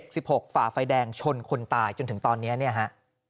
ฝ่าไฟแดงชนคนตายจนถึงตอนนี้เนี่ยฮะ